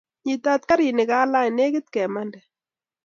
Nyitat karini kalaany negit kemande.